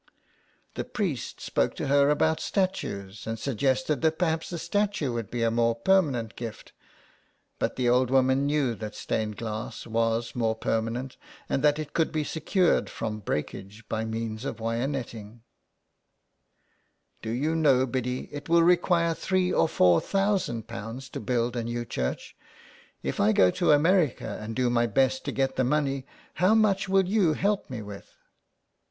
The priest spoke to her about statues, and suggested that perhaps a statue would be a more permanent gift, but the old woman knew that stained glass was more permanent, and that it could be secured from breakage by means of wire netting. " Do you know, Biddy, it will require three or four thousand pounds to build a new church. If I go to 52 SOME PARISHIONERS. America and do my best to get the money, how much will you help me with